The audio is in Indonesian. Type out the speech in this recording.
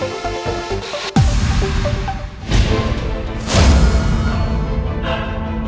kayaknya punya ke sencillitas juga kurang gini